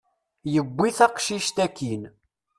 Yewwi taqcict akkin.